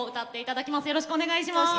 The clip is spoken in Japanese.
よろしくお願いします。